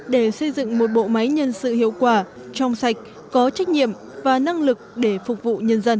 để xây dựng một bộ máy nhân sự hiệu quả trong sạch có trách nhiệm và năng lực để phục vụ nhân dân